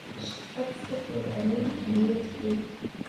She accepted and went to meet him.